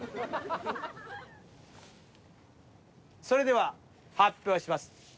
それでは発表します。